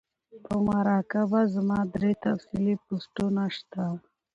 پۀ مراقبه زما درې تفصيلی پوسټونه شته